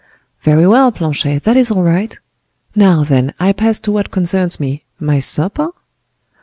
"Very well, Planchet, that is all right. Now, then, I pass to what concerns me—my supper?"